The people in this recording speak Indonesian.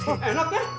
oh enak ya